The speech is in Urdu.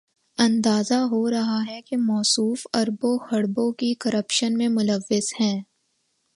اندازہ ہو رہا ہے کہ موصوف اربوں، کھربوں کی کرپشن میں ملوث ہیں۔